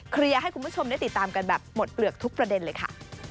ให้คุณผู้ชมได้ติดตามกันแบบหมดเปลือกทุกประเด็นเลยค่ะ